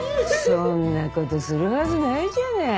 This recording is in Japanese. そんな事するはずないじゃない。